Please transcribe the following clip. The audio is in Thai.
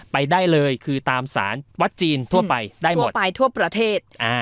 ไปได้เลยคือตามสารวัดจีนทั่วไปได้ทั่วไปทั่วประเทศ